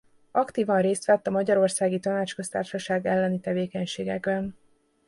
Aktívan részt vett a Magyarországi Tanácsköztársaság elleni tevékenységekben.